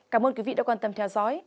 cảm ơn quý vị đã quan tâm theo dõi